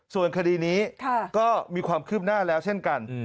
ส่วนคดีนี้ก็มีความคืบหน้าแล้วเช่นกัน